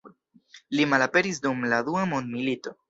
Li malaperis dum la dua mondmilito.